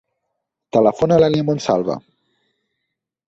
Telefona a l'Èlia Monsalve.